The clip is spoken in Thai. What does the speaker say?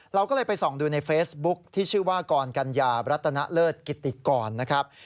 เราก็เลยไปส่องดูในเฟซบุ๊คที่ชื่อว่ากรกัญญารัตนเลิศกิติกรนะครับ